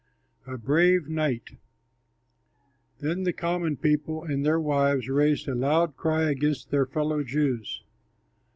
A BRAVE KNIGHT Then the common people and their wives raised a loud cry against their fellow Jews.